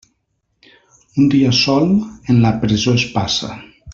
Un dia sol, en la presó es passa.